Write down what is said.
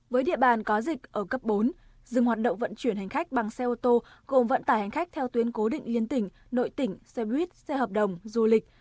với địa bàn có dịch ở cấp bốn dừng hoạt động vận chuyển hành khách bằng xe ô tô gồm vận tải hành khách theo tuyến cố định liên tỉnh nội tỉnh xe buýt xe hợp đồng du lịch